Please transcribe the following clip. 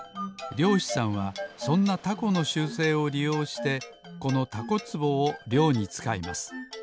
りょうしさんはそんなタコの習性をりようしてこのタコつぼをりょうにつかいます。